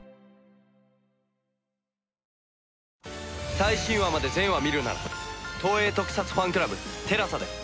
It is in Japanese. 最新話まで全話見るなら東映特撮ファンクラブＴＥＬＡＳＡで。